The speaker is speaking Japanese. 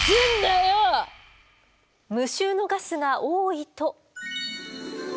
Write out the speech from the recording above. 無臭のガスが多いと。